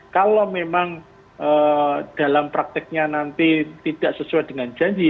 kalau memang dalam prakteknya nanti tidak sesuai dengan janji